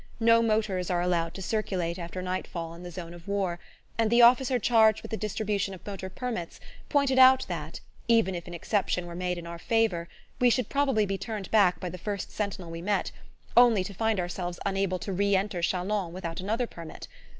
No motors are allowed to circulate after night fall in the zone of war, and the officer charged with the distribution of motor permits pointed out that, even if an exception were made in our favour, we should probably be turned back by the first sentinel we met, only to find ourselves unable to re enter Chalons without another permit!